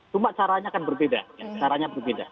cuma caranya akan berbeda caranya berbeda